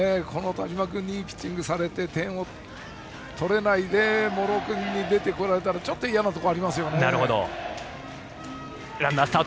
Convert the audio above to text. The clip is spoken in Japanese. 田嶋君にいいピッチングをされて点を取れないで茂呂君に出てこられたらいやなところがありますね。